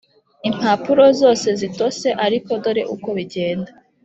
impapuro zose zitose ariko dore uko bigenda.